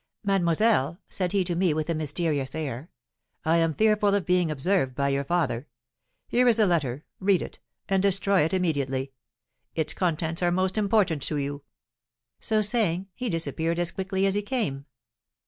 'Mademoiselle,' said he to me, with a mysterious air, 'I am fearful of being observed by your father; here is a letter, read it, and destroy it immediately, its contents are most important to you.' So saying, he disappeared as quickly as he came.